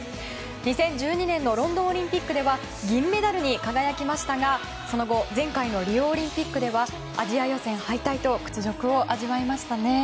２０１２年のロンドンオリンピックでは銀メダルに輝きましたがその後、前回のリオオリンピックではアジア予選敗退と屈辱を味わいましたね。